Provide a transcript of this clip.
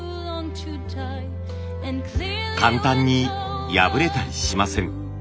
簡単に破れたりしません。